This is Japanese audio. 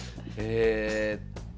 えっと。